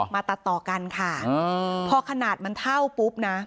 มาตัดต่อกันค่ะพอขนาดมันเท่าปุ๊บนะ